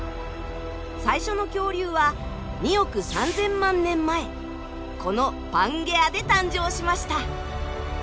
最初の恐竜は２億３，０００万年前このパンゲアで誕生しました。